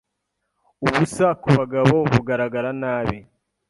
ubusa kubagabo bugaragara nabi